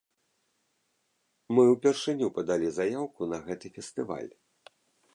Мы ўпершыню падалі заяўку на гэты фестываль.